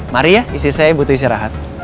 mari ya istri saya butuh istri saya rahat